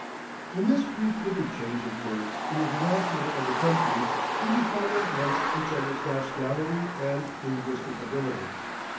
In this brief interchange of words in the vernacular of the country we define at once each other's nationality and linguistic abilities.